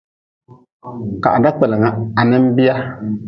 Ka ha dakpelnga ha nin bia.